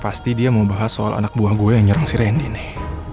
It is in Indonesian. pasti dia mau bahas soal anak buah gue yang nyerang si randy nih